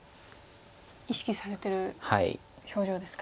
意識されてる表情ですか？